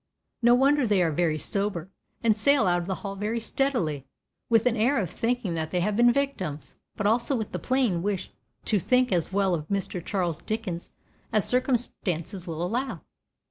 No wonder they are very sober, and sail out of the hall very steadily, with an air of thinking that they have been victims, but also with the plain wish to think as well of Mr. Charles Dickens as circumstances will allow.